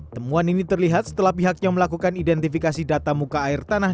temuan ini terlihat setelah pihaknya melakukan identifikasi data muka air tanah